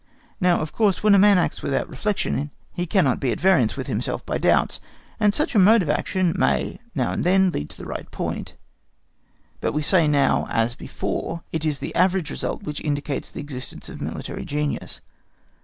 Now, of course, when a man acts without reflection he cannot be at variance with himself by doubts, and such a mode of action may now and then lead to the right point; but we say now as before, it is the average result which indicates the existence of military genius.